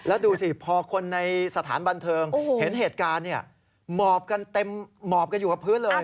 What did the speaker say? แล้วดูสิพอคนในสถานบันเทิงเห็นเหตุการณ์เนี่ยหมอบกันเต็มหมอบกันอยู่กับพื้นเลย